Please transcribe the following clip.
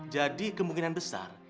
jadi kemungkinan besar